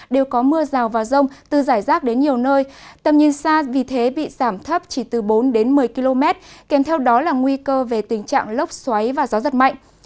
đều có mưa rào và rông từ giải rác đến nhiều nơi tầm nhìn xa vì thế bị giảm thấp chỉ từ bốn đến một mươi km kèm theo đó là nguy cơ về tình trạng lốc xoáy và gió giật mạnh